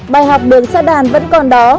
bài học được xa đàn vẫn còn đó